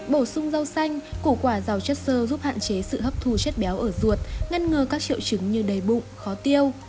bổ sung rau xanh củ quả giàu chất sơ giúp hạn chế sự hấp thu chất béo ở ruột ngăn ngừa các triệu chứng như đầy bụng khó tiêu